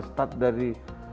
dan sudah terjadi